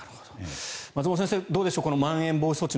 松本先生どうでしょうまん延防止等重点措置